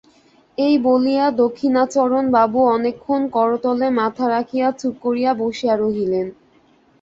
এই বলিয়া দক্ষিণাচরণবাবু অনেকক্ষণ করতলে মাথা রাখিয়া চুপ করিয়া বসিয়া রহিলেন।